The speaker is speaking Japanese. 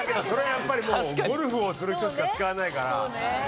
それはやっぱりゴルフをする人しか使わないから。